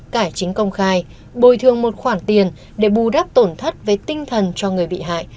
cải chính công khai bồi thường một khoản tiền để bù đắp tổn thất về tinh thần cho người bị hại